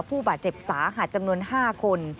ผู้บาดเจ็บสาหัสจำนวน๕คน